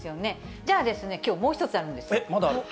じゃあ、きょうもう一つあるんでまだある？